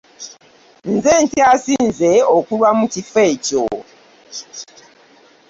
Nze nkasinze okulwa mu kifo ekyo.